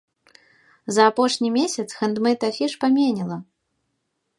За апошні месяц хэндмэйд-афіш паменела.